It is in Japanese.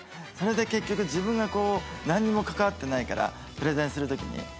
それで結局自分が何にも関わってないからプレゼンするときに。